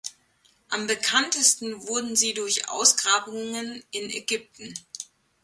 Am bekanntesten wurden sie durch Ausgrabungen in Ägypten.